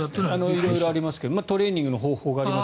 色々ありますけれどトレーニングの方法があります。